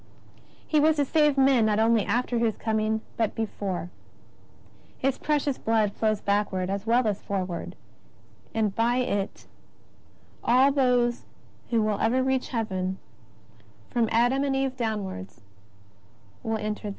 He was to save men not only after His Coming but before. His Precious Blood flows backward as well as forw^ard, and by It, all those who will ever reach Hea ven, from Adam and Evo downwards, will enter there.